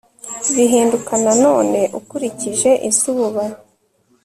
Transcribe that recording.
bihinduka nanone ukurikije izuba